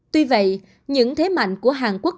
tuy vậy những thế mạnh của hàn quốc